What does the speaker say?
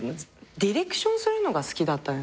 ディレクションするのが好きだったんですかね。